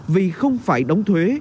vì không phải đóng thuế